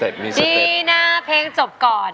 จีน่าเพลงจบก่อน